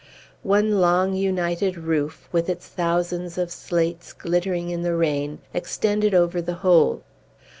One long, united roof, with its thousands of slates glittering in the rain, extended over the whole.